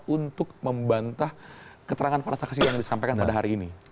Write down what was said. untuk membantah keterangan para saksi yang disampaikan pada hari ini